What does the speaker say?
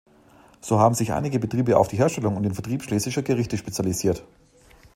So haben sich einige Betriebe auf die Herstellung und den Vertrieb schlesischer Gerichte spezialisiert.